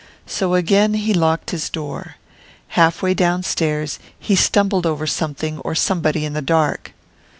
So again he locked his door. Half way downstairs he stumbled over something or somebody in the dark.